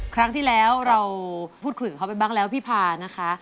ครั้งที่แล้วเราพูดคุยกับเขาไปบ้างแล้วพี่พานะคะ